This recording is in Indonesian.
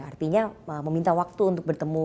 artinya meminta waktu untuk bertemu